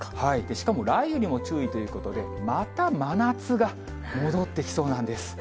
しかも雷雨にも注意ということで、また真夏が戻ってきそうなんです。